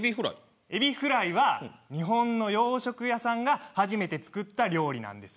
エビフライは日本の洋食屋さんが初めて作った料理なんですよね。